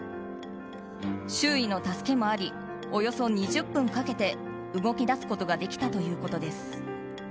周囲の助けもありおよそ２０分かけて動き出すことができたということです。